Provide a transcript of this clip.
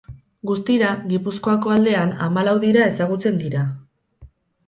Guztira, Gipuzkoako aldean, hamalau dira ezagutzen dira.